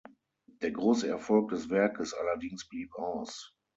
Der große Erfolg des Werkes allerdings blieb aus.